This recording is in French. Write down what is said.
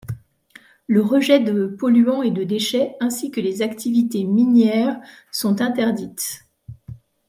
Le rejet de polluants et de déchets, ainsi que les activités minières sont interdites.